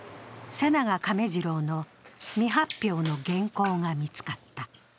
瀬長亀次郎の未発表の原稿が見つかった。